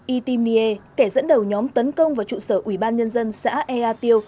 y tim nghie kẻ dẫn đầu nhóm tấn công vào trụ sở ủy ban nhân dân xã ea tiêu